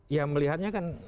ya melihatnya kan